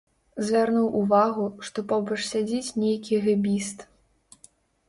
Звярнуў увагу, што побач сядзіць нейкі гэбіст.